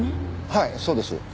はいそうです。